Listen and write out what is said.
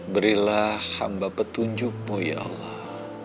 berilah hamba petunjukmu ya allah